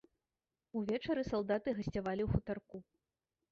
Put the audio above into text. Увечары салдаты гасцявалі ў хутарку.